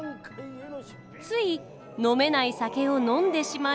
つい飲めない酒を飲んでしまい。